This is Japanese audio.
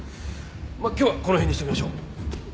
まあ今日はこの辺にしときましょう。